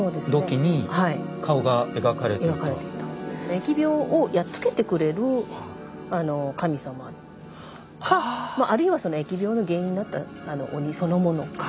疫病をやっつけてくれる神様かあるいはその疫病の原因になった鬼そのものか